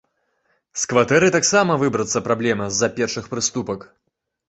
З кватэры таксама выбрацца праблема з-за першых прыступак.